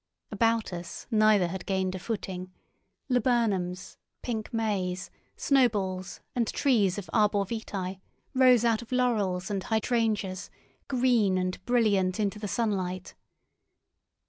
About us neither had gained a footing; laburnums, pink mays, snowballs, and trees of arbor vitae, rose out of laurels and hydrangeas, green and brilliant into the sunlight.